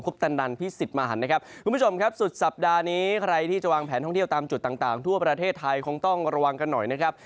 คุณผู้ชมครับสุดสัปดาห์นี้ใครที่จะวางแผนท่องเที่ยวตามจุดต่างทั่วประเทศไทยคงต้องรับวางกันหน่อยนะครับ